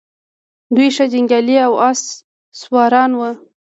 دوی ښه جنګیالي او آس سواران وو